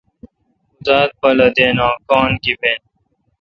اوں زاتہ بالہ دین اوںکان گیبیں۔۔